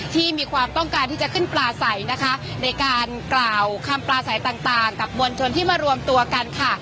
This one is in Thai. ที่มีความต้องการที่จะขึ้นปลาใสนะคะในการกล่าวคำปลาใสต่างกับมวลชนที่มารวมตัวกันค่ะ